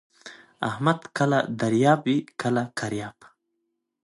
احمد کله دریاب وي کله کریاب.